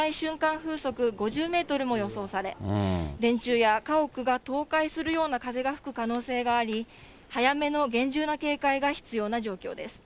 風速５０メートルも予想され、電柱や家屋が倒壊するような風が吹く可能性があり、早めの厳重な警戒が必要な状況です。